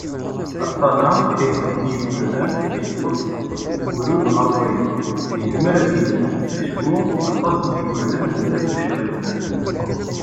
Aṭṭan-a, ihelken yigerdan, ineṭṭeḍ seg ugrud ɣer wayeḍ, yezmer ad yezreɛ, acku aṭas n yigerdan mazal ur criḍen ara.